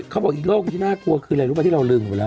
เขาบอกอีกโลกนี้น่ากลัวคือเลยรู้ไหมที่เราลึงมาแล้ว